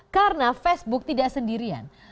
karena facebook tidak sendirian